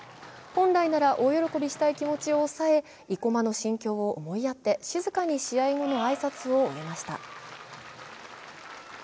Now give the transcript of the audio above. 本来なら大喜びしたい気持ちを抑え、生駒の心境を思いやって静かに試合後の挨拶を終えました。